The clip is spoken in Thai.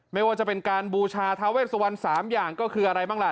ไม่ว่าจะเป็นการบูชาทาเวสวัน๓อย่างก็คืออะไรบ้างล่ะ